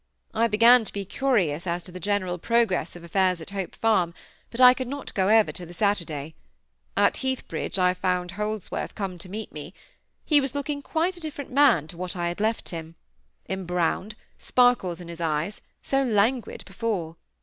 I began to be curious as to the general progress of affairs at Hope Farm, but I could not go over till the Saturday. At Heathbridge I found Holdsworth, come to meet me. He was looking quite a different man to what I had left him; embrowned, sparkles in his eyes, so languid before.